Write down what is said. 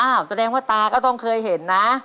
แสดงว่าตาก็ต้องเคยเห็นนะ